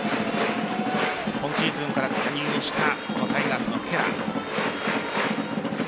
今シーズンから加入したこのタイガースのケラー。